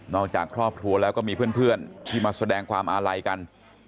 จากครอบครัวแล้วก็มีเพื่อนที่มาแสดงความอาลัยกัน